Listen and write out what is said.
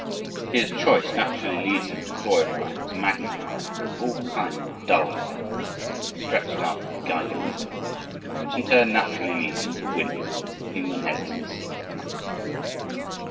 His choice naturally leads him to glorify and to magnify all kind of dull things stretched out geigermusik which in turn naturally leads him to "windmills" and "human heads on silver platters."